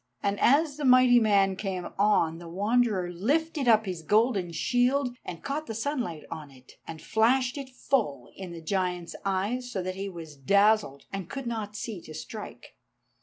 And as the mighty man came on, the Wanderer lifted up his golden shield and caught the sunlight on it, and flashed it full in the giant's eyes, so that he was dazzled, and could not see to strike.